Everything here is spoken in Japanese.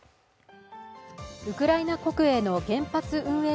ウクライナ国営の原発運営